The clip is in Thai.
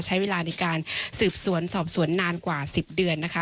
ใช้เวลาในการสืบสวนสอบสวนนานกว่า๑๐เดือนนะคะ